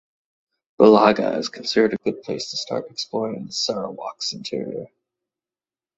Belaga is considered a good place to start exploring the Sarawak's interior.